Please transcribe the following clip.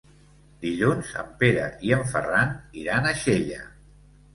Dilluns en Pere i en Ferran iran a Xella.